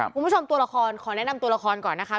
คุณผู้ชมตัวละครขอแนะนำตัวละครก่อนนะคะ